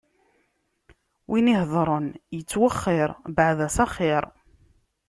Win ihedṛen ittwexxiṛ, bɛed-as axiṛ!